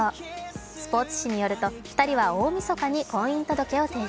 スポーツ紙によると２人は大みそかに婚姻届を提出。